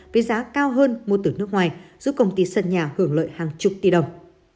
với giá cao hơn mua từ nước ngoài giúp công ty sân nhà hưởng lợi hàng chục tỷ đồng